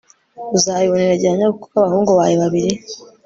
uzabibonera gihamya kuko abahungu bawe babiri